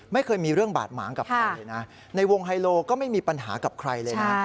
ไม่เคยมีเรื่องบาดหมางกับใครเลยนะในวงไฮโลก็ไม่มีปัญหากับใครเลยนะ